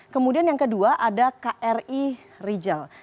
kemudian yang kedua ada kri rijal